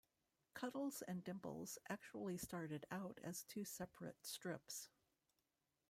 Cuddles and Dimples actually started out as two separate strips.